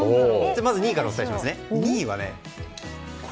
まず２位からお伝えしますね。